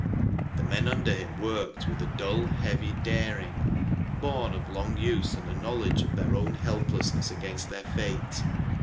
The men under him worked with a dull, heavy daring, born of long use and a knowledge of their own helpless ness against their fate.